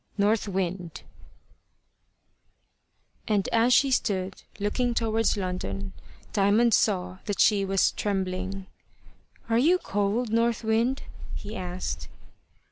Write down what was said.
NORTH WIND AND as she stood looking towards London, Diamond saw that she was trembling. "Are you cold, North Wind?" he asked.